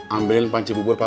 ambil panci bubur papa